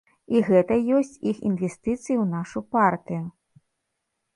І гэта ёсць іх інвестыцыі ў нашу партыю.